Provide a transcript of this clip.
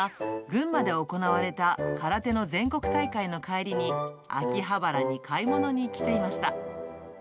この日は群馬で行われた空手の全国大会の帰りに秋葉原に買い物に来ていました。